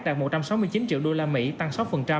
đạt một trăm sáu mươi chín triệu usd tăng sáu